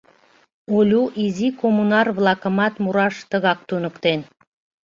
Олю изи коммунар-влакымат мураш тыгак туныктен.